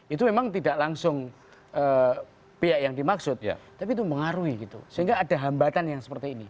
itu memang tidak langsung pihak yang dimaksud tapi itu mengaruhi gitu sehingga ada hambatan yang seperti ini